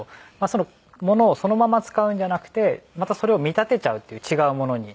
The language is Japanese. そのものをそのまま使うんじゃなくてまたそれを見立てちゃうという違うものに。